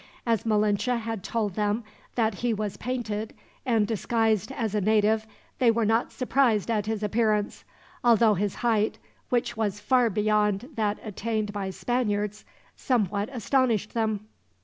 As Malinche had told them that he was painted, and disguised as a native, they were not surprised at his appearance; although his height, which was far beyond that attained by Spaniards, somewhat astonished them.